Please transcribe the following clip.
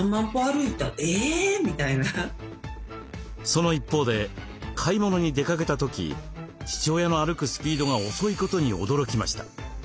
その一方で買い物に出かけた時父親の歩くスピードが遅いことに驚きました。